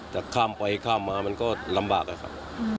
แต่ข้ามไปข้ามมามันก็ลำบากอะครับ